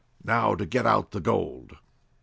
Now to get out the gold!"